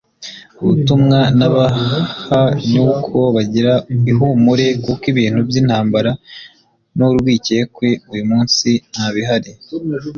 ubutumwa nabaha ni uko bagira ihumure kuko ibintu by’intambara n’urwikekwe uyu munsi nta bihari